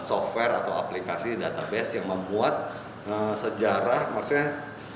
software atau aplikasi database yang membuat sejarah maksudnya